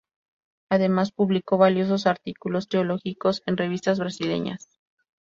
Además, publicó valiosos artículos teológicos en revistas brasileñas.